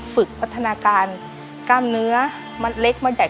ฝึกพัฒนาการกล้ามเนื้อมัดเล็กมัดใหญ่